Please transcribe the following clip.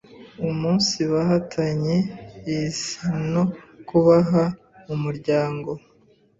umunsibaha ta n y e is a n o k u b a h a umuryango”